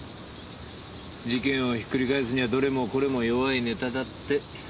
事件をひっくり返すにはどれもこれも弱いネタだって。